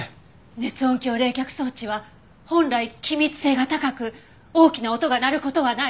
熱音響冷却装置は本来気密性が高く大きな音が鳴る事はない。